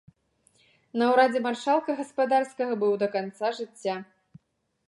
На ўрадзе маршалка гаспадарскага быў да канца жыцця.